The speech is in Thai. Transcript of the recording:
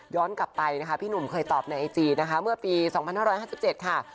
กลับไปนะคะพี่หนุ่มเคยตอบในไอจีนะคะเมื่อปี๒๕๕๗ค่ะ